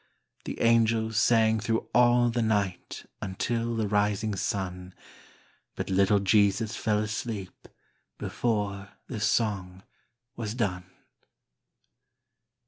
The angels sang thro' all the night Until the rising sun, But little Jesus fell asleep Before the song was done.